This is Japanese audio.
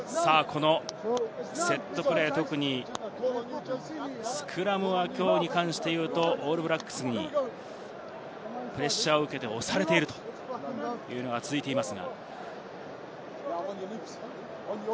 セットプレー、特にスクラムはきょうに関して言うと、オールブラックスにプレッシャーを受けて押されているというのが続いています。